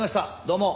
どうも。